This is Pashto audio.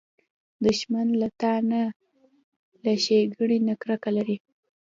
دښمن له تا نه، له ښېګڼې نه کرکه لري